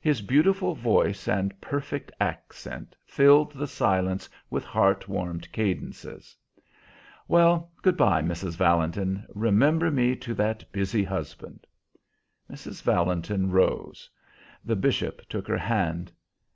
His beautiful voice and perfect accent filled the silence with heart warmed cadences. "Well, good by, Mrs. Valentin. Remember me to that busy husband." Mrs. Valentin rose; the bishop took her hand.